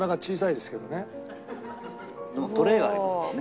でもトレーがありますからね。